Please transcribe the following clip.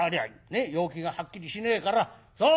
陽気がはっきりしねえからそう！